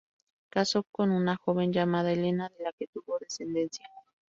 Casó con una joven llamada Helena, de la que tuvo descendencia.